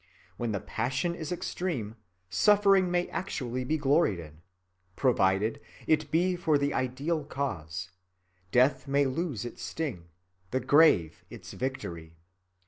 When the passion is extreme, suffering may actually be gloried in, provided it be for the ideal cause, death may lose its sting, the grave its victory.